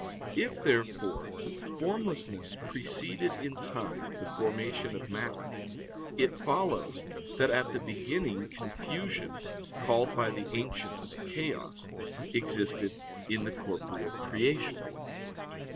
If, therefore, formlessness preceded in time the formation of matter, it follows that at the beginning confusion, called by the ancients chaos, existed in the corporeal creation.